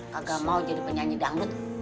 kagak mau jadi penyanyi dangdut